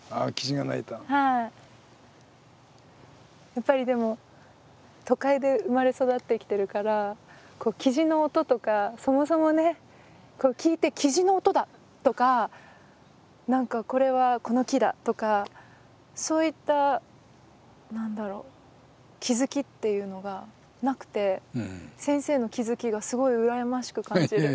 やっぱりでも都会で生まれ育ってきてるからキジの音とかそもそもね聞いて「キジの音だ」とか何か「これはこの木だ」とかそういった何だろう気付きっていうのがなくて先生の気付きがすごい羨ましく感じる。